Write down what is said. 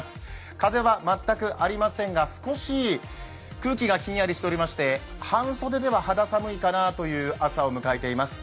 風は全くありませんが少し空気がひんやりしていまして、半袖では肌寒いかなという朝を迎えています。